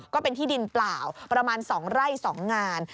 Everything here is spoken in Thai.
ก็เป็นที่ดินเปล่าประมาณ๒ไร่๒งาน